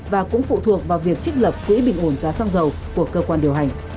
và cũng phụ thuộc vào việc trích lập quỹ bình ổn giá xăng dầu của cơ quan điều hành